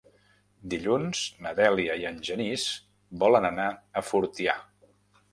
Dilluns na Dèlia i en Genís volen anar a Fortià.